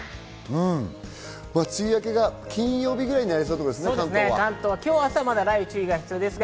梅雨明けが金曜日くらいになりそうということですね。